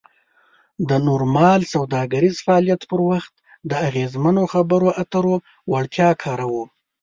د نورمال سوداګریز فعالیت پر وخت د اغیزمنو خبرو اترو وړتیا کاروو.